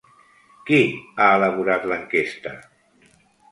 Qui ha elaborat l'enquesta?